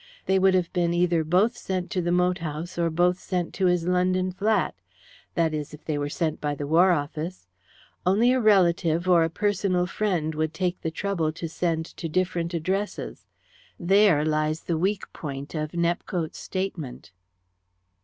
They would have been either both sent to the moat house, or both sent to his London flat that is, if they were sent by the War Office. Only a relative or a personal friend would take the trouble to send to different addresses. There lies the weak point of Nepcote's statement."